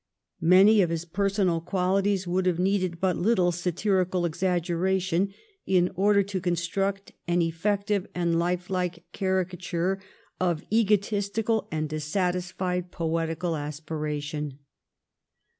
Many of his personal qualities would have needed but little satirical exaggeration in order to construct an effective and life like caricature of egotistical and dissatisfied poetical aspiration.